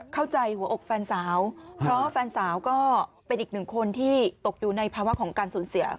เข้าใจหัวอกแฟนสาวเพราะแฟนสาวก็เป็นอีกหนึ่งคนที่ตกอยู่ในภาวะของการสูญเสีย